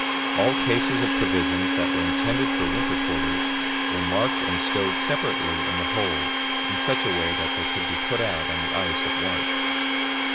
All cases of provisions that were intended for winter quarters were marked and stowed separately in the hold in such a way that they could be put out on to the ice at once.